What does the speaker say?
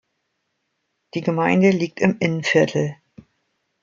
Die Gemeinde liegt im Innviertel.